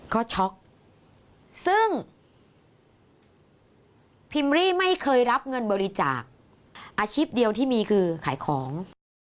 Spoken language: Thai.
ก็ช็อกซึ่งพิมรี่ไม่เคยรับเงินบริจาคอาชีพเดียวที่มีคือขายของ